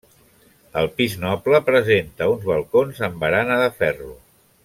El pis noble presenta uns balcons amb barana de ferro.